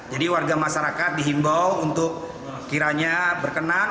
jadi warga masyarakat dihimbau untuk kiranya berkenan